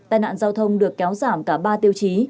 tai nạn giao thông được kéo giảm cả ba tiêu chí